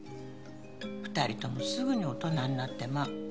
二人ともすぐに大人になってまう